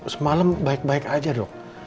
semalam baik baik aja dok